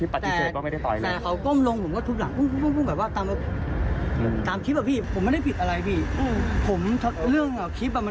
พอง้อกันผมก็โอเคได้รีวกันก็อยู่ด้วยกัน